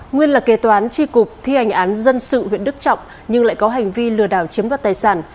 nguyên là kế toán tri cục thi hành án dân sự huyện đức trọng nhưng lại có hành vi lừa đảo chiếm đoạt tài sản